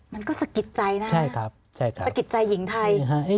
มันก็สะกิดใจนะใช่ครับสะกิดใจหญิงไทย